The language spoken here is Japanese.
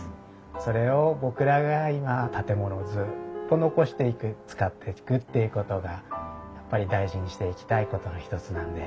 それを僕らが今建物をずっと残していく使っていくっていうことがやっぱり大事にしていきたいことの一つなんで。